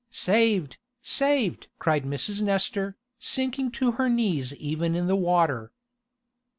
"Saved! Saved!" cried Mrs. Nestor, sinking to her knees even in the water.